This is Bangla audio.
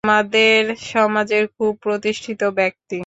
আমাদের সমাজের খুব প্রতিষ্ঠিত ব্যাক্তি।